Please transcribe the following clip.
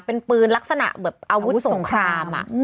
เป็นปืนลักษณะแบบอาวุธสงคราม